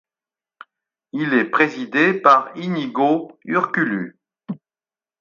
Il est présidé par Iñigo Urkullu.